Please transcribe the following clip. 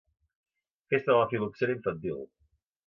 Festa de la Fil·loxera Infantil.